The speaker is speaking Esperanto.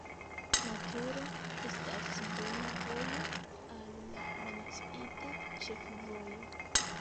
Nature estas bona vojo al la menciita ĉefvojo.